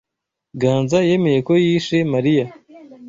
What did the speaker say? Ganza yemeye ko yishe Mariya.